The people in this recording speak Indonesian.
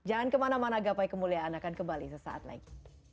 jangan kemana mana gapai kemuliaan akan kembali sesaat lagi